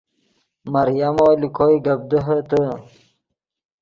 مریمو لے کوئے گپ دیہے تے